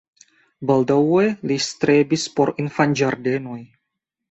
Baldaŭe li strebis por infanĝardenoj.